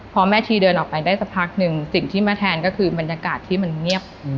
พอแม่ชีเดินออกไปได้สักพักหนึ่งสิ่งที่แม่แทนก็คือบรรยากาศที่มันเงียบ